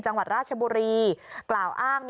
จังหวัดราชบุรีกล่าวอ้าง